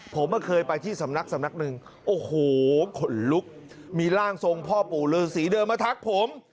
ผมเคยไปที่สำนักสำนักหนึ่งโอ้โหขนลุกมีร่างทรงพ่อปู่ฤษีเดินมาทักผม